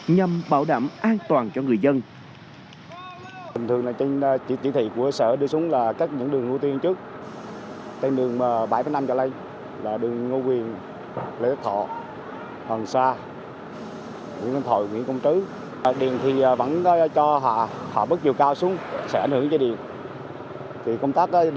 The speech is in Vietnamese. nhằm bảo đảm an toàn cho người dân